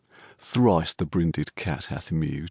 Thrice the brinded cat hath mew'd.